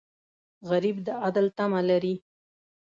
غریب د عدل تمه لري